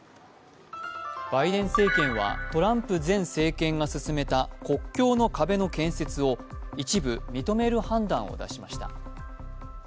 バイデン政権はトランプ前政権が進めた国境の壁の建設を一部、認める判断を出しました。